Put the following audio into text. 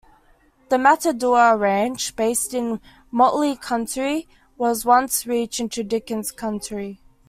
The Matador Ranch, based in Motley County, once reached into Dickens County.